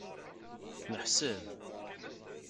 Neḥseb.